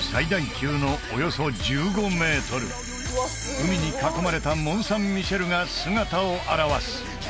海に囲まれたモン・サン・ミシェルが姿を現す